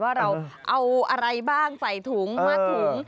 ว่าเราเอาอะไรบ้างใส่ถุงมัดถุง